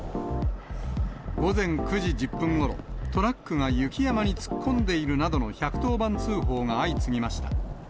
午前９時１０分ごろ、トラックが雪山に突っ込んでいるなどの１１０番通報が相次ぎました。